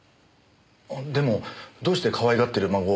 でもどうしてかわいがってる孫を鑑定なんて？